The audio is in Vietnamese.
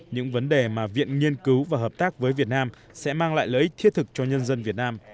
những vấn đề mà viện nghiên cứu và hợp tác với việt nam sẽ mang lại lợi ích thiết thực cho nhân dân việt nam